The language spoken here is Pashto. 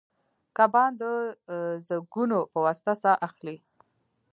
کبان د زګونو په واسطه ساه اخلي